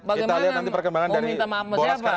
bagaimana meminta maaf dari siapa